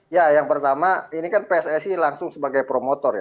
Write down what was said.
ya yang pertama ini kan pssi langsung sebagai promotor ya